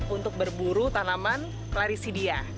untuk berburu tanaman klarisidia